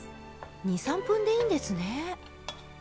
２３分でいいんですね。